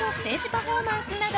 パフォーマンスなど